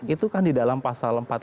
itu kan di dalam pasal empat puluh